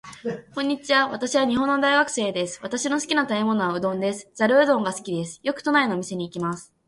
こんにちは。私は日本の大学生です。私の好きな食べ物はうどんです。ざるうどんが好きです。よく都内のお店に行きます。